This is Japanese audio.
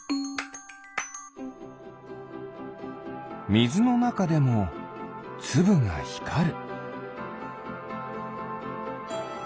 みずのなかでもつぶがひかる。